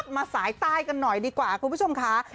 มาสายใต้กันหน่อยดีกว่าคุณผู้ชมค่ะ